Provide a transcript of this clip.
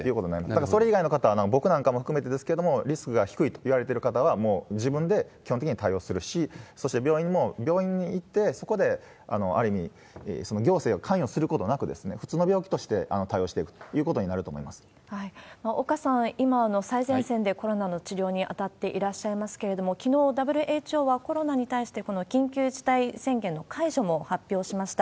だから、それ以外の方は、僕なんか含めてですけれども、リスクが低いといわれている方は、もう自分で基本的には対応するし、そして病院も、病院に行って、そこで、ある意味、行政を関与することなく、普通の病気として対応していくというこ岡さん、今、最前線でコロナの治療に当たっていらっしゃいますけれども、きのう、ＷＨＯはコロナに対して、この緊急事態宣言の解除も発表しました。